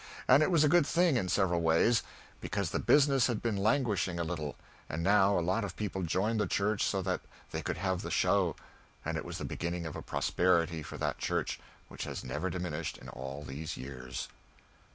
And it was a good thing in several ways, because the business had been languishing a little, and now a lot of people joined the church so that they could have the show, and it was the beginning of a prosperity for that church which has never diminished in all these years.